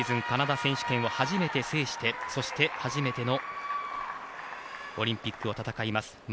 カナダ選手権を初めて制してそして、初めてのオリンピックを戦います。